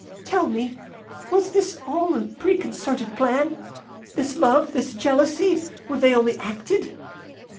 Tell me, was this all a preconcerted plan? This love, this jealousy, were they only acted?"